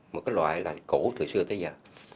một loại là củ từ xưa tới giờ